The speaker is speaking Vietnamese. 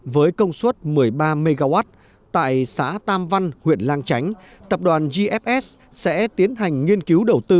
với công suất một mươi ba mw tại xã tam văn huyện lang chánh tập đoàn gfs sẽ tiến hành nghiên cứu đầu tư